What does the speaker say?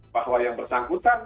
bahwa yang bersangkutan